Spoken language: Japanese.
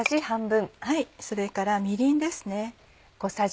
それからみりんですね。